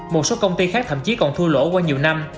một số công ty khác thậm chí còn thua lỗ qua nhiều năm